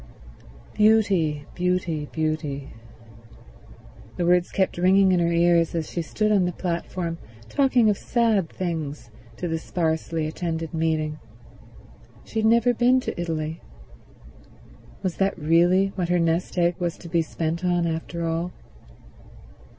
Beauty, beauty, beauty ... the words kept ringing in her ears as she stood on the platform talking of sad things to the sparsely attended meeting. She had never been to Italy. Was that really what her nest egg was to be spent on after all?